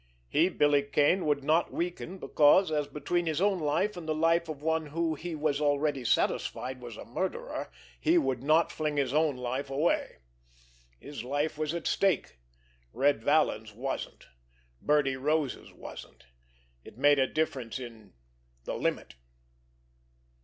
He, Billy Kane, would not weaken, because, as between his own life and the life of one who he was already satisfied was a murderer, he would not fling his own life away! His life was at stake. Red Vallon's wasn't. Birdie Rose's wasn't. It made a difference in—the limit!